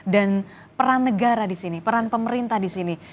dan peran negara di sini peran pemerintah di sini